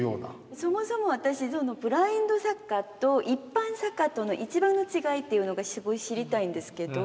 そもそも私ブラインドサッカーと一般サッカーとの一番の違いっていうのがすごい知りたいんですけど。